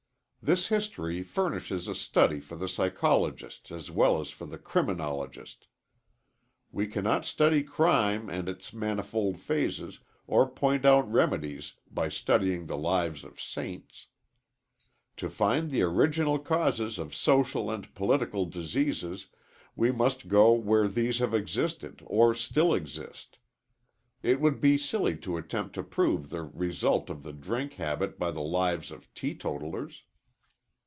This history furnishes a study for the psychologist as well as for the criminologist. We cannot study crime and its manifold phases or point out remedies by studying the lives of saints. To find the original causes of social and political diseases we must go where these have existed or still exist. It would be silly to attempt to prove the result of the drink habit by the lives of teetotalers.